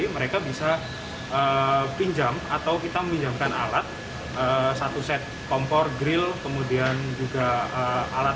mereka bisa pinjam atau kita pinjamkan alat satu set kompor grill kemudian juga alat